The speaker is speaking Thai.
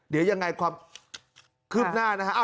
เดี๋ยวยังไงความคืบหน้านะฮะ